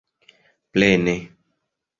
plene